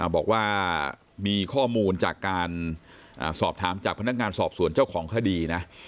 บอกว่ามีข้อมูลจากการสอบถามจากพนักงานสอบส่วนเจ้าของคดีนะ